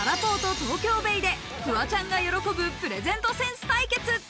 ＴＯＫＹＯ−ＢＡＹでフワちゃんが喜ぶプレゼントセンス対決。